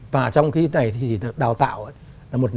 và trong cái này thì đào tạo